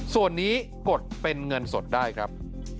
ส่วนนี้กดเป็นเงินสดได้ครับ